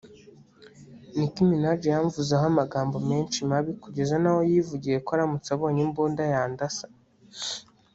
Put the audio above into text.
“Nicki Minaj yamvuzeho amagambo menshi mabi kugeza n’aho yivugiye ko aramutse abonye imbunda yandasa